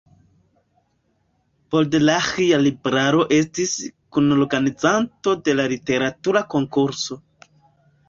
Podlaĥia Libraro estis kunorganizanto de la literatura konkurso.